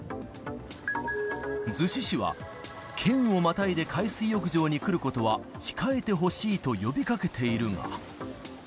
逗子市は、県をまたいで海水浴場に来ることは控えてほしいと呼びかけているが。